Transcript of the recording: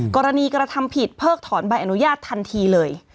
กรณีกฎธรรมผิดเพิ่งถอนใบอนุญาตทันทีเลย